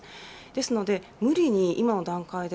ですので無理に今の段階で